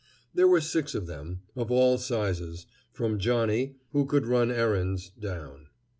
There were six of them, of all sizes, from Johnnie, who could run errands, down.